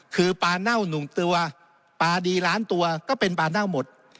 คือปลาเน่า๑ตัวปลาดีล้านตัวก็เป็นปลาเน่าหมด